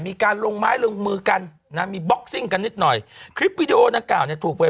มีการลงไม้ลงมือกันนะมีบ็อกซิ่งกันนิดหน่อยคลิปวิดีโอนางกล่าวเนี่ยถูกไป